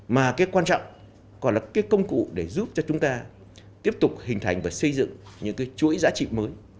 mà cái quan trọng còn là cái công cụ để giúp cho chúng ta tiếp tục hình thành và xây dựng những cái chuỗi giá trị mới